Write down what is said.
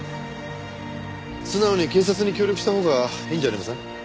素直に警察に協力したほうがいいんじゃありません？